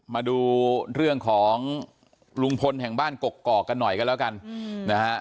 มาดูเรื่องของลุงพลแห่งบ้านกกอกกันหน่อยกันแล้วกันนะฮะ